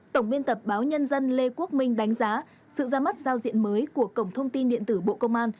tổng biên tập báo nhân dân lê quốc minh đánh giá sự ra mắt giao diện mới của cổng thông tin điện tử bộ công an